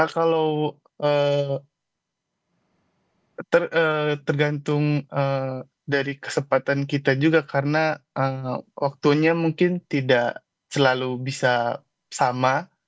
kalau tergantung dari kesempatan kita juga karena waktunya mungkin tidak selalu bisa sama